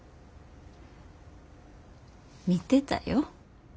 みてたよ。